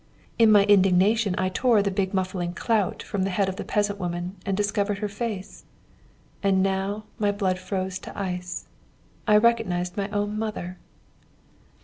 In my indignation I tore the big muffling clout from the head of the peasant woman and discovered her face. And now my blood froze to ice. I recognised my own mother!